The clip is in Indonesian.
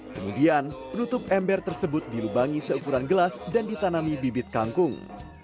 kemudian penutup ember tersebut dilubangi seukuran gelas dan ditanami bibit kangkung